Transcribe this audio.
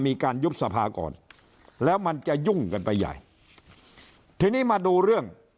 มีการยุบสภาก่อนแล้วมันจะยุ่งกันไปใหญ่ทีนี้มาดูเรื่อง